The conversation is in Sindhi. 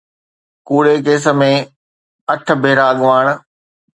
ڪوڙي ڪيس ۾ اٺ ڀيرا اڳواڻ